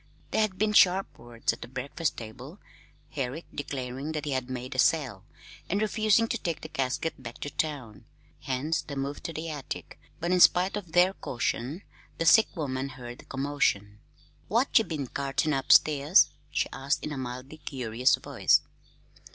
There had been sharp words at the breakfast table, Herrick declaring that he had made a sale, and refusing to take the casket back to town; hence the move to the attic; but in spite of their caution, the sick woman heard the commotion. "What ye been cartin' upstairs?" she asked in a mildly curious voice.